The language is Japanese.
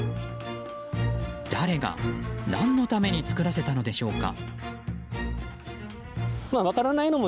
誰が何のために作らせたのでしょうか。